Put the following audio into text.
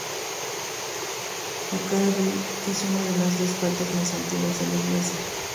La Caravelle es una de las dos partes más antiguas de la isla.